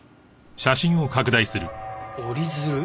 折り鶴？